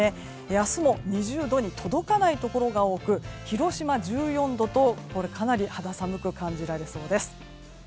明日も２０度に届かないところが多く広島、１４度とかなり肌寒く感じられそうです。